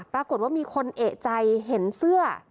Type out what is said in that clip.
ปรากฏว่ามีคนเอกใจเห็นเสื้อ